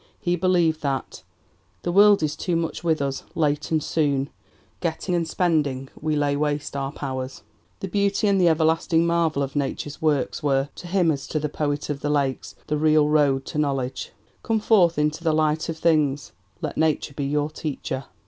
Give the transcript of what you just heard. He believed that The world is too much with us; late and soon, Getting and spending, we lay waste our powers. The beauty and the everlasting marvel of Nature's works were, to him as to the poet of the Lakes, the real road to knowledge: Come forth into the light of things, Let Nature be your teacher.